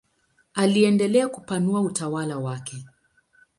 Aliendelea kupanua utawala wake.